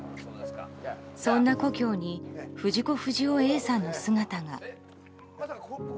そんな故郷に藤子不二雄Ａさんの姿が。